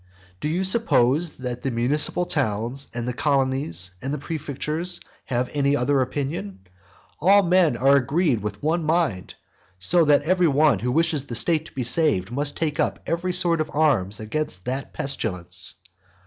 do you suppose that the municipal towns, and the colonies, and the prefectures have any other opinion? All men are agreed with one mind; so that every one who wishes the state to be saved must take up every sort of arms against that pestilence.